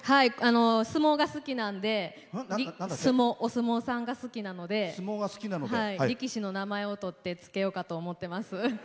相撲が好きなんでお相撲さんが好きなんで力士の名前を取って付けようかと思っています。